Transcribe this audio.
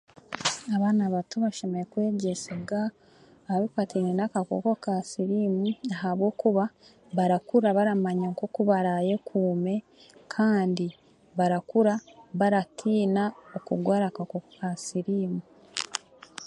Abaana bato bashemereire kwegyesebwa aha bikwatiine n'akakooko ka siriimu ahabw'okuba barakura baramanya nk'oku bara yekuume kandi barakura baratiina okurwaara akakooko ka siriimu.